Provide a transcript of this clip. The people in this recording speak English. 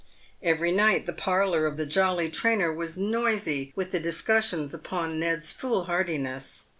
Every night the parlour of the " Jolly Trainer" was noisy with the discussions upon Ned's foolhardiness.